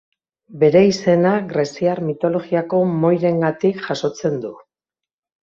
Bere izena greziar mitologiako Moirengatik jasotzen du.